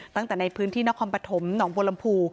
ตั้งแต่ในพื้นที่นครปฐมหนองโบรมภู